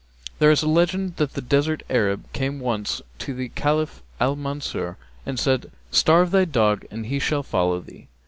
There is a legend that a desert Arab came once to the Caliph Al Mansúr[FN#262] and said, 'Starve thy dog and he shall follow thee.'